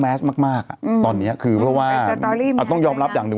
มากมากอ่ะอืมตอนเนี้ยคือเพราะว่าต้องยอมรับอย่างหนึ่ง